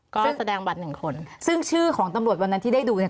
ก็เสื้อแสดงบัตรหนึ่งคนซึ่งชื่อของตำรวจวันนั้นที่ได้ดูเนี่ย